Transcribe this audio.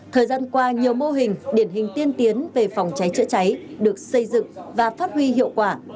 thời gian qua nhiều mô hình điển hình tiên tiến về phòng cháy chữa cháy được xây dựng và phát huy hiệu quả